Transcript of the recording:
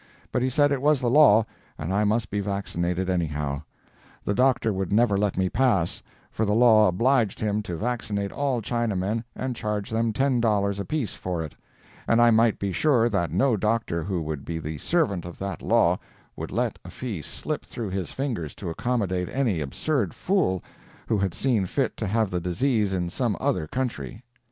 But he said it was the law, and I must be vaccinated anyhow. The doctor would never let me pass, for the law obliged him to vaccinate all Chinamen and charge them ten dollars apiece for it, and I might be sure that no doctor who would be the servant of that law would let a fee slip through his fingers to accommodate any absurd fool who had seen fit to have the disease in some other country.